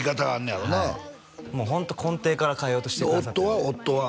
やろうなもうホント根底から変えようとしてくださってるので夫は？